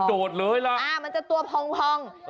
มันโดดเลยล่ะอ่ามันจะตัวพอง